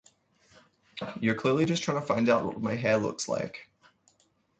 You're clearly just trying to find out what my hair looks like.